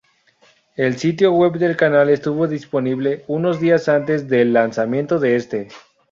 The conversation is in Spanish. El sitio web del canal estuvo disponible unos días antes del lanzamiento de este.